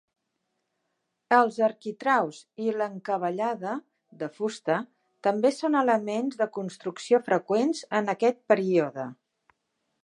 Els arquitraus i l'encavallada, de fusta, també són elements de construcció freqüents en aquest període.